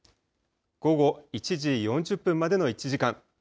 午後１時４０分までの１時間